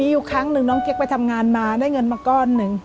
อยู่ครั้งหนึ่งน้องเก๊กไปทำงานมาได้เงินมาก้อนหนึ่ง